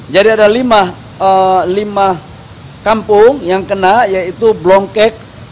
jadi ada lima kampung yang kena yaitu blongkek